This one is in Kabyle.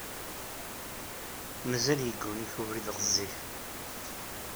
Mazal yegguni-k ubrid ɣezzifen.